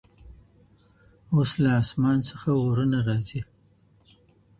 اوس له اسمان څخه اورونـــــــه راځـــــــي